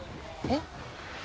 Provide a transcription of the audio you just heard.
えっ？